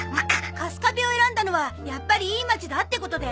春我部を選んだのはやっぱりいい町だってことで？